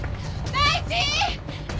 大地！